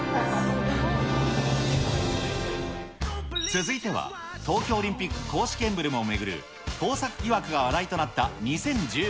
続いては、東京オリンピック公式エンブレムを巡る盗作疑惑が話題となった２０１５年。